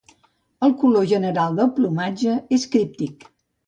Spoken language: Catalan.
El color general del plomatge és críptic.